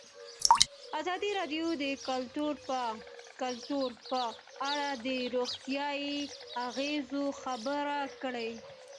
ازادي راډیو د کلتور په اړه د روغتیایي اغېزو خبره کړې.